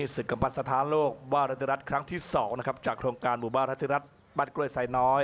ศึกกำปั้นสถานโลกบ้านรัติรัฐครั้งที่๒นะครับจากโครงการบูบ้านรัติรัฐบ้านกล้วยสายน้อย